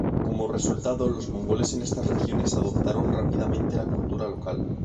Como resultado, los mongoles en estas regiones adoptaron rápidamente la cultura local.